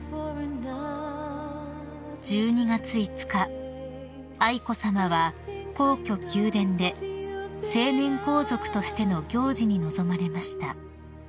［１２月５日愛子さまは皇居宮殿で成年皇族としての行事に臨まれました］